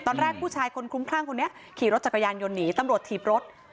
ผู้ชายคนคลุ้มคลั่งคนนี้ขี่รถจักรยานยนต์หนีตำรวจถีบรถ